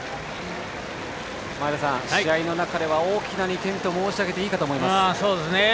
前田さん、試合の中では大きな２点と申し上げていいと思います。